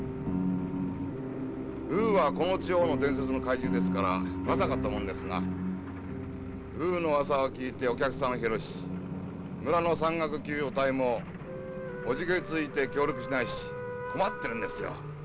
ウーはこの地方の伝説の怪獣ですからまさかと思うんですがウーのうわさを聞いてお客さんは減るし村の山岳救助隊もおじけづいて協力しないし困ってるんですよ。